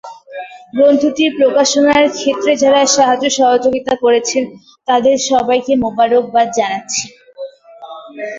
গ্রন্থটির প্রকাশনার ক্ষেত্রে যারা সাহায্য-সহযোগিতা করেছেন তাদের সবাইকে মুবারকবাদ জানাচ্ছি।